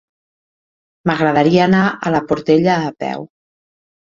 M'agradaria anar a la Portella a peu.